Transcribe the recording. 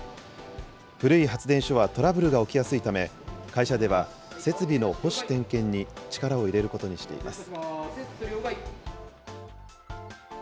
古い発電所はトラブルが起きやすいため、会社では設備の保守点検に力を入れることにしています。